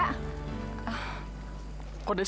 kok udah datang